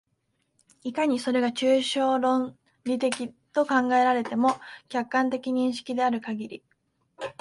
いかにそれが抽象論理的と考えられても、客観的認識であるかぎり、